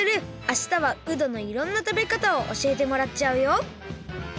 明日はうどのいろんなたべかたをおしえてもらっちゃうよ！